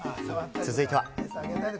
続いては。